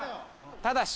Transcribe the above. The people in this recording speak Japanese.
・ただし？